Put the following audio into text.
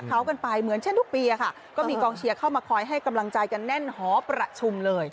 เขากันไปเหมือนเช่นทุกปีค่ะก็มีกองเชียร์เข้ามาคอยให้กำลังใจกันแน่นหอประชุมเลย